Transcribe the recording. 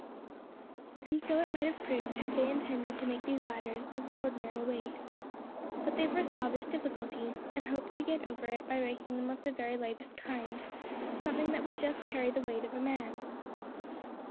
And so it might have proved, had they intended to make these ladders of the ordinary weight. But they foresaw this difficulty, and hoped to get over it by making them of the very lightest kind something that would just carry the weight of a man.